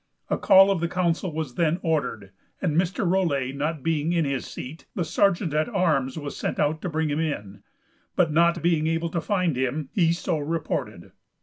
A call of the council was then ordered and Mr. Rolette not being in his seat, the sergeant at arms was sent out to bring him in, but not being able to find him, he so reported.